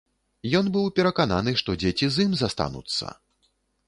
Ён быў перакананы, што дзеці з ім застануцца.